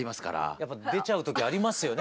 やっぱ出ちゃう時ありますよね。